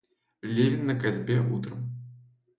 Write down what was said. Левин на косьбе утром.